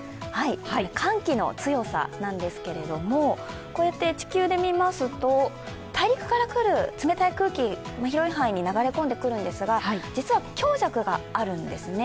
寒気の強さなんですけれどもこうやって地球で見ますと大陸から来る冷たい空気、広い範囲に流れ込んでくるんですが、実は強弱があるんですね。